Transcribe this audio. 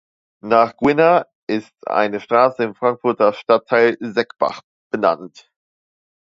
Nach Gwinner ist eine Straße im Frankfurter Stadtteil Seckbach benannt.